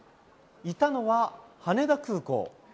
いたのは、羽田空港。